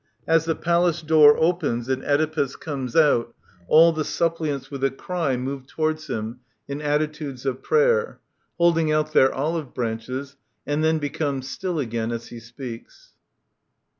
As the Palace door opens and Oedipus comes out all the suppliants with a cry move towards him in attitudes of prayer^ holding out their olive brancheSy and then become still again as he speaks.